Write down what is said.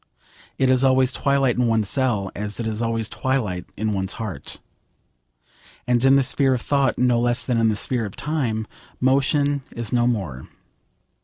It is always twilight in one's cell, as it is always twilight in one's heart. And in the sphere of thought, no less than in the sphere of time, motion is no more.